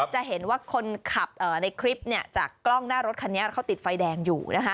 จะเห็นว่าคนขับในคลิปส์จากกล้องหน้ารถติดไฟแดงอยู่